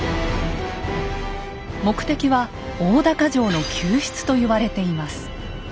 目的は大高城の救出と言われています。